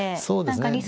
そうですね。